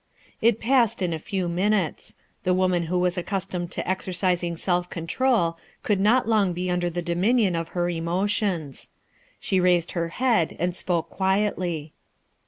It passed iu a few minutes. The woman who was accustomed to exercising self control could not long be under the dominion of her emotions. She raised her head and spoke quietly.